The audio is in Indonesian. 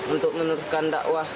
untuk menurutkan dakwah kedua